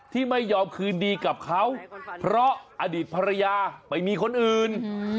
ที่ไม่ยอมคืนดีกับเขาเพราะอดีตภรรยาไปมีคนอื่น